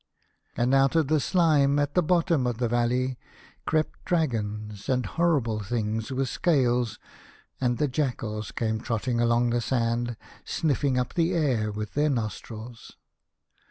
And out of the slime at the bottom of the valley crept dragons and horrible things with scales, and the jackals came trotting along the sand, sniffing up the air with their nostrils.